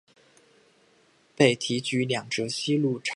被提举两浙西路常平茶盐公事。